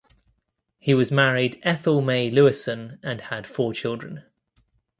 He was married Ethel Mae Lewison and had four children.